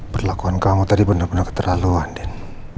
perlakuan kamu tadi bener bener keterlaluan din